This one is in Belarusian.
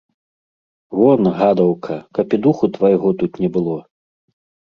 Вон, гадаўка, каб і духу твайго тут не было.